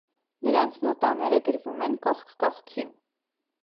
Նրանց նոտաները գրվում են կողք կողքի։